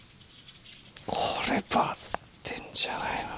これバズってんじゃないの？